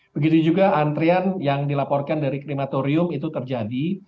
begitu juga antrian yang dilaporkan dari krematorium itu terjadi